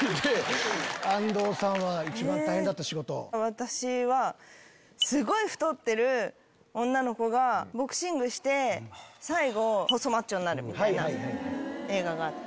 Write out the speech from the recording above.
私はすごい太ってる女の子がボクシングして最後細マッチョになるみたいな映画があって。